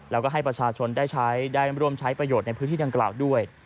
แล้วก็ให้ประชาชนได้ใช้ได้ร่วมใช้ประโยชน์ในพื้นที่ดังกล่าวด้วย